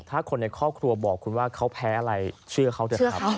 ถ้าคนในครอบครัวบอกคุณว่าเขาแพ้อะไรเชื่อเขาเถอะครับ